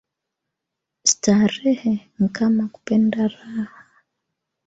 Starehe nkama kupenda raha